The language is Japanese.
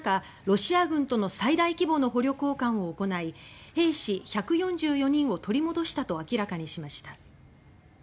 ロシア軍との最大規模の捕虜交換を行い兵士１４４人を取り戻したと明らかにしました。